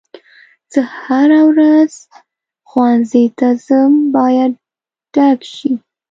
زه هره ورځ ښوونځي ته ځم باید ډک شي.